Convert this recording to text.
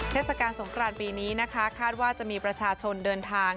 เทศกาลสงครานปีนี้นะคะคาดว่าจะมีประชาชนเดินทาง